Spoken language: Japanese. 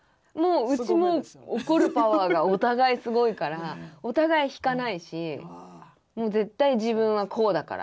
うちも怒るパワーがお互いすごいからお互い引かないし絶対自分はこうだからっていうのは曲げないので。